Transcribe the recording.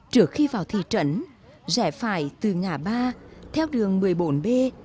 trước khi vào thị trấn rẻ phải từ ngã ba theo đường một mươi bốn b